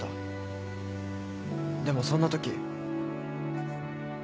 でもそんなとき。